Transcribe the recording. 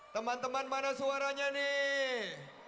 teman teman mana suaranya nih